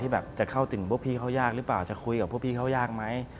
แบบจะเข้าถึงพวกพี่เขายากหรือเปล่าจะคุยกับพวกพี่เขายากไหม